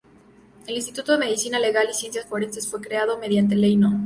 El Instituto de Medicina Legal y Ciencias Forenses fue creado mediante Ley No.